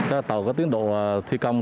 cho tàu có tiến độ thi công